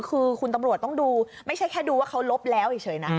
คือคุณตำรวจต้องดูไม่ใช่แค่ดูว่าเขาลบแล้วเฉยนะ